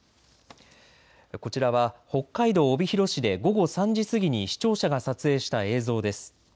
こちらは北海道帯広市で午後３時過ぎに視聴者が撮影した映像です。